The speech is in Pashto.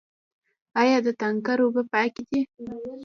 آیا د تانکر اوبه پاکې دي؟